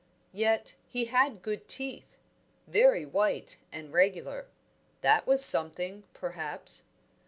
Yet, he had good teeth, very white and regular; that was something, perhaps.